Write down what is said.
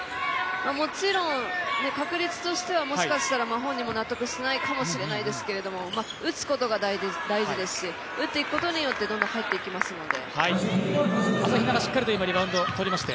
もちろん確率としてはもしかしたら本人も納得してないかもしれないですけど打つことが大事ですし、打っていくことによってどんどん入っていきますので。